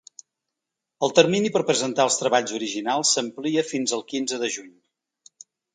El termini per presentar els treballs originals s’amplia fins al quinze de juny.